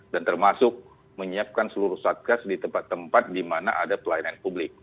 dan termasuk menyiapkan seluruh satgas di tempat tempat di mana ada pelayanan publik